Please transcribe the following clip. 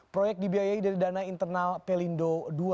proyek dibiayai dari dana internal pelindo dua